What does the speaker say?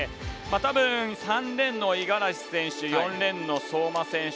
多分３レーンの五十嵐選手４レーンの相馬選手